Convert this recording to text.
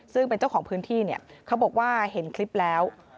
ซึ่งเป็นเจ้าของพื้นที่เนี่ยเขาบอกว่าเห็นคลิปแล้ว